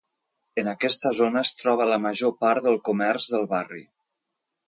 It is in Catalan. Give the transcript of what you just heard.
En aquesta zona es troba la major part del comerç del barri.